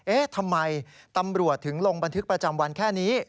เอ๊ะทำไมตำรวจถึงลงบันทึกประจำวันแค่นี้